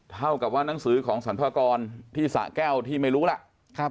เท่ากับว่านังสือของสรรพากรที่สะแก้วที่ไม่รู้ล่ะ